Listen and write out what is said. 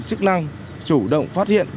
sức năng chủ động phát hiện